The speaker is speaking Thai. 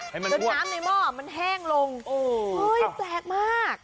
ให้มันงวดเดี๋ยวน้ำในหม้ออ่ะมันแห้งลงโอ้เฮ้ยแปลกมาก